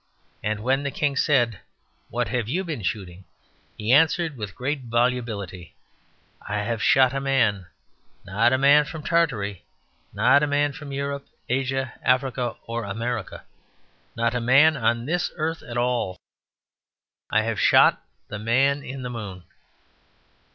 And when the king said "What have you been shooting?" he answered with great volubility, "I have shot a man; not a man from Tartary, not a man from Europe, Asia, Africa, or America; not a man on this earth at all. I have shot the Man in the Moon."